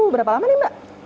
berapa lama nih mbak